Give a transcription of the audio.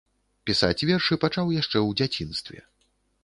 Пісаць вершы пачаў яшчэ ў дзяцінстве.